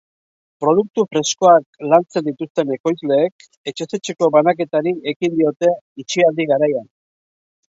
Produktu freskoak lantzen dituzten ekoizleek etxez etxeko banaketari ekin diote itxialdi garaian.